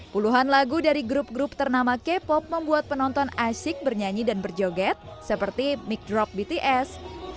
puluhan lagu dari grup grup ternama k pop membuat penonton asik bernyanyi dan berjoget seperti micdrop bts